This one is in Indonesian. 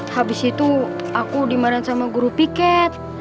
habis itu aku dimarahin sama guru piket